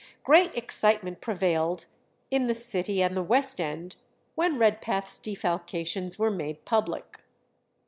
Great excitement prevailed in the city and the West End when Redpath's defalcations were made public.